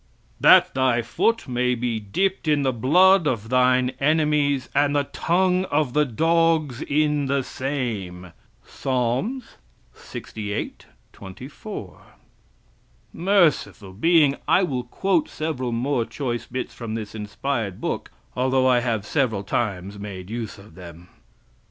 "That thy foot may be dipped in the blood of thine enemies, and the tongue of the dogs in the same." Psalms lxviii, 24. Merciful Being! I will quote several more choice bits from this inspired book, although I have several times made use of them.